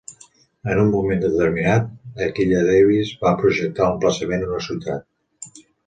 En un moment determinat, Aquilla Davis va projectar l'emplaçament una ciutat.